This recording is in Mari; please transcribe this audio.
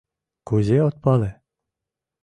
— Кузе от пале!..